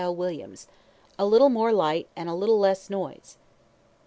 "A LITTLE MORE LIGHT AND A LITTLE LESS NOISE."